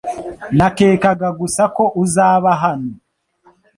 Nakekaga gusa ko uzaba hano .